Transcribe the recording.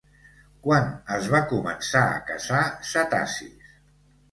Quan es van començar a caçar cetacis?